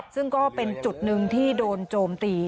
ซึ่งก็เป็นจุดหนึ่งที่โดนโจมตี